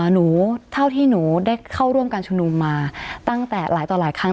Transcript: เท่าที่หนูได้เข้าร่วมการชุมนุมมาตั้งแต่หลายต่อหลายครั้ง